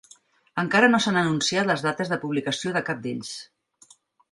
Encara no s'han anunciat les dates de publicació de cap d'ells.